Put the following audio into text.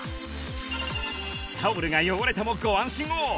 タオルが汚れてもご安心を！